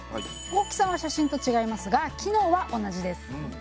大きさは写真と違いますが機能は同じです。